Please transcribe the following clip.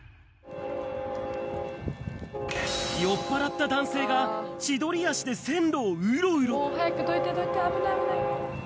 酔っぱらった男性が、千鳥足で線路をうろうろ。